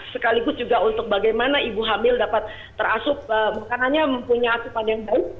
sekaligus juga untuk bagaimana ibu hamil dapat terasup makanannya mempunyai asupan yang baik